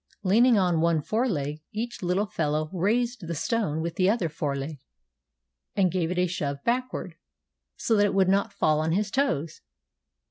Leaning on one fore leg, each little fellow raised the stone with the other fore leg, and gave it a shove backward, so that it would not fall on his toes.